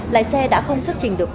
lái xe đã không xuất trình được